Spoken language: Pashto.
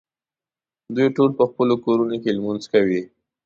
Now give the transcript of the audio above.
دوی ټول په خپلو کورونو کې لمونځ کوي.